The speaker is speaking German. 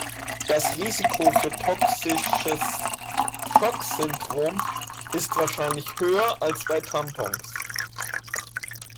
Das Risiko für toxisches Schocksyndrom ist wahrscheinlich höher als bei Tampons.